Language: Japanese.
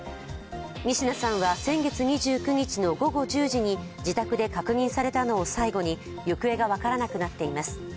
仁科さんは先月２９日の午後１０時に自宅で確認されたのを最後に行方が分からなくなっています。